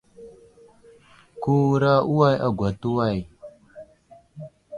Kewura uway agwa atu way.